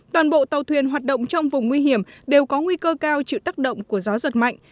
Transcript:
toàn bộ tàu thuyền hoạt động trong vùng nguy hiểm đều có nguy cơ cao chịu tác động của gió giật mạnh